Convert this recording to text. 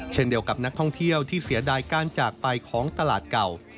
เช่นเดียวกับนักท่องเที่ยวที่เสียดายการจากไปของตลาดเก่า